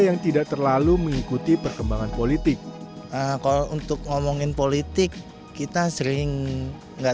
yang tidak terlalu mengikuti perkembangan politik kalau untuk ngomongin politik kita sering nggak